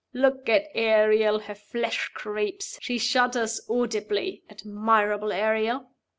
Look at Ariel! Her flesh creeps; she shudders audibly. Admirable Ariel!"